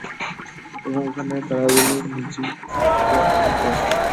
এবং ওখানে, তারাগুলোর নিচে অনেক কুয়াশা।